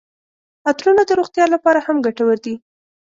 عطرونه د روغتیا لپاره هم ګټور دي.